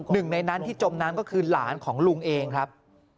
หนึ่งในนั้นที่จมน้ำก็คือหลานของลุงเองครับ